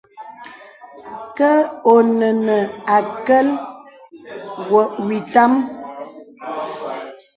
Kə ɔnə nə àkəl wɔ ìtâm.